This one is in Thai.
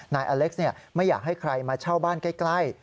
นายอเล็กซ์ไม่อยากให้ใครมาเช่าบ้านใกล้